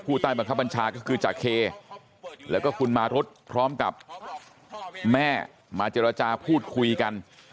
ใต้บังคับบัญชาก็คือจากเคแล้วก็คุณมารุธพร้อมกับแม่มาเจรจาพูดคุยกัน